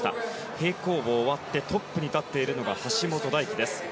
平行棒が終わってトップに立っているのが橋本大輝です。